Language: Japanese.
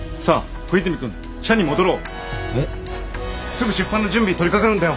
すぐ出版の準備に取りかかるんだよ！